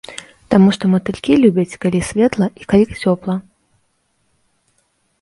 Таму што матылькі любяць, калі светла і калі цёпла.